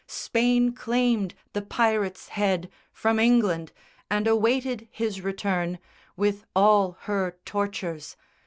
Spain claimed the pirate's head From England, and awaited his return With all her tortures.